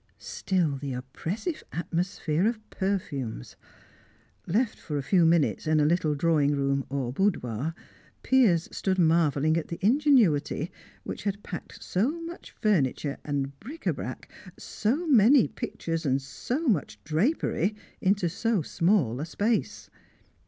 Still the oppressive atmosphere of perfumes. Left for a few minutes in a little drawing room, or boudoir, Piers stood marvelling at the ingenuity which had packed so much furniture and bric tate brac, so many pictures, so much drapery, into so small a space.